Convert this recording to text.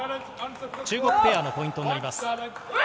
中国ペアのポイントになります。